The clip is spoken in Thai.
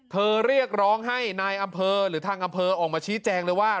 เรียกร้องให้นายอำเภอหรือทางอำเภอออกมาชี้แจงเลยว่า